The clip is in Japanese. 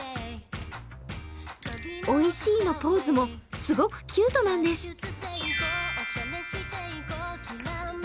おいしいのポーズもすごくキュートなんです。